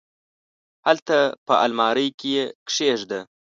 هلته په المارۍ کي یې کښېږده !